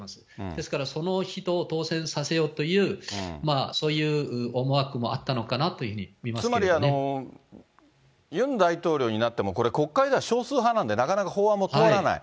ですから、その人を当選させようというそういう思惑もあったのかなというふつまり、ユン大統領になっても、これ、国会では少数派なんで、なかなか法案も通らない。